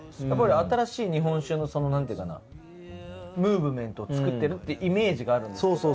やっぱり新しい日本酒のその何ていうかなムーブメントをつくってるってイメージがあるんですけど。